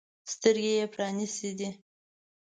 سترګې يې پرانیستې.